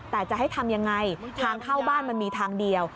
แต่จะให้ทำยังไงทางเข้าบ้านมันมีทางเดียว